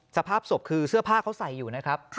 สภาพศพคือเสื้อผ้าเขาใส่อยู่นะครับ